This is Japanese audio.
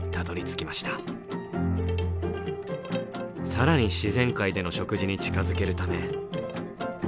更に自然界での食事に近づけるため。